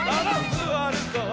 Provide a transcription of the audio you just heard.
すわるぞう。